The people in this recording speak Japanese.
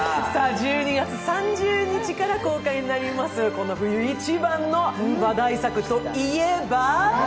１２月３０日から公開になります、この冬一番の話題作と言えば？